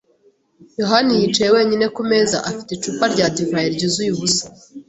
yohani yicaye wenyine ku meza afite icupa rya divayi ryuzuye ubusa.